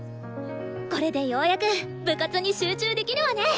これでようやく部活に集中できるわね。